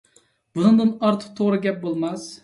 بۇنىڭدىن ئارتۇق توغرا گەپ بولماس.